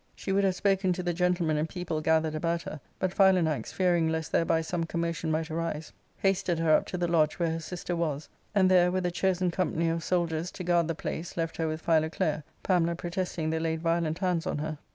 She would have spoken to the gentlemen and people gathered about her, but Philanax, fearing lest thereby some commotion might arise, hasted her up to the lodge where her sister was, and there, with a chosen company of soldiers to guard the place, left her with Philoclea, Pamela protesting they laid violent hands on her.